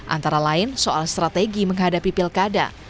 antara lain soal strategi menghadapi pilkada